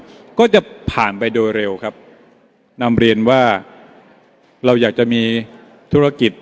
มันก็จะผ่านไปโดยเร็วครับนำเรียนว่าเราอยากจะมีธุรกิจ